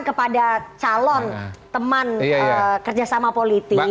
kepada calon teman kerjasama politik